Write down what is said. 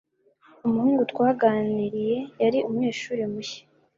Umuhungu twaganiriye yari umunyeshuri mushya.